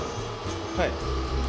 はい。